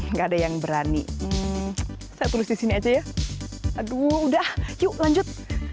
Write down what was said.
nggak ada yang berani saya tulis di sini aja ya aduh udah yuk lanjut